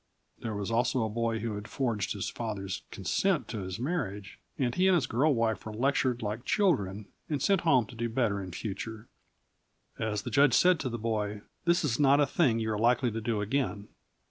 There was also a boy who had forged his father's consent to his marriage, and he and his girl wife were lectured like children and sent home to do better in future. As the judge said to the boy: "This is not a thing you are likely to do again."